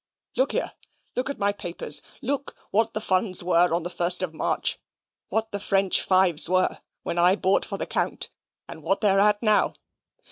Look here. Look at my papers. Look what the funds were on the 1st of March what the French fives were when I bought for the count. And what they're at now.